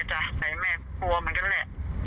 ไหนแม่ก็กลัวหมอนกันแหละ